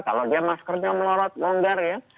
kalau dia maskernya melorot longgar ya